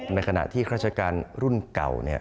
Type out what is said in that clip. ในขณะที่ราชการรุ่นเก่า